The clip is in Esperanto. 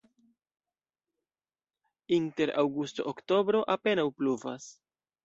Inter aŭgusto-oktobro apenaŭ pluvas.